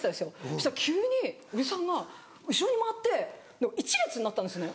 そしたら急におじさんが後ろに回って１列になったんですね